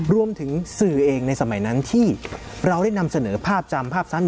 รวมถึงสื่อเองในสมัยนั้นที่เราได้นำเสนอภาพจำภาพซ้ำ